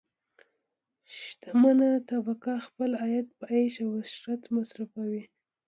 شتمنه طبقه خپل عاید په عیش او عشرت مصرفوي.